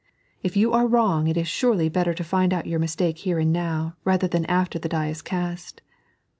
If you are wrong it is surely better to find out your mistake here and now rather than after the die is cost.